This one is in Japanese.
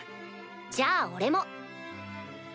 じゃあ俺も。